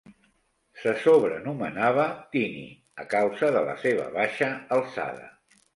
Se sobrenomenava "Tiny", a causa de la seva baixa alçada.